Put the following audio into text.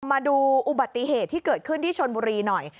มาดูอุบัติเหตุที่เกิดขึ้นที่ชนบุรีหน่อย